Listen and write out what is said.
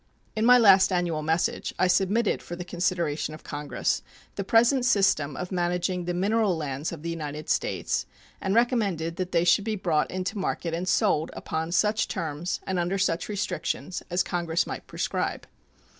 In my last annual message I submitted for the consideration of Congress the present system of managing the mineral lands of the United States, and recommended that they should be brought into market and sold upon such terms and under such restrictions as Congress might prescribe.